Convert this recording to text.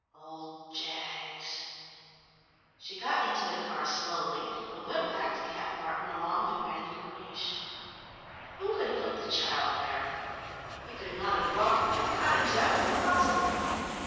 Old Jaggs! She got into the car slowly, and went back to Cap Martin along the Grande Corniche. Who had put the child there? He could not have walked from the cottage; that was impossible.